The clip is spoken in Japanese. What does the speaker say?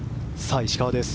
石川です。